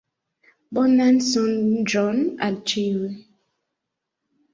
Bonan sonĝon al ĉiuj!